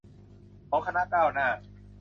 ของคณะก้าวหน้า